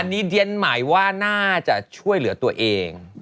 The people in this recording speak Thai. อันนี้เรียนหมายว่าน่าจะช่วยเหลือตัวเอง